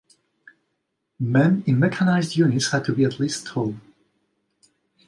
Men in mechanised units had to be at least tall.